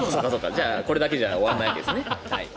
じゃあ、これだけじゃ終わらないわけですね。